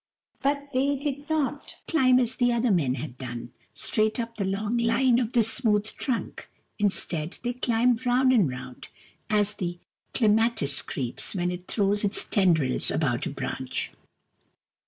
But they did not climb as the other men had done, straight up the long line of the smooth trunk. Instead, they climbed round and round, as the clematis creeps when it throws its tendrils about a branch.